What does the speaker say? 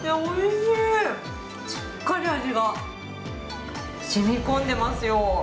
しっかり味がしみこんでますよ。